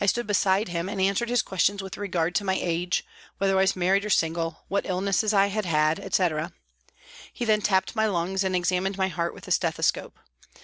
I stood beside him and answered his questions with regard to my age, whether I was married or single, what illnesses I had had, etc. He then tapped my lungs and examined my heart with a stethoscope.